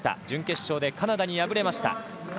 準決勝でカナダに敗れました。